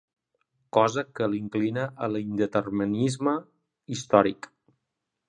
Cosa que la inclina a l'indeterminisme històric.